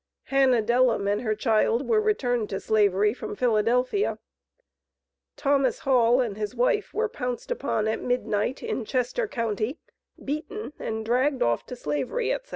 Hannah Dellum and her child were returned to Slavery from Philadelphia. Thomas Hall and his wife were pounced upon at midnight in Chester county, beaten and dragged off to Slavery, etc.